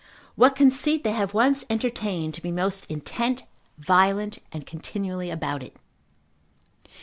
What conceit they have once entertained, to be most intent, violent, and continually about it.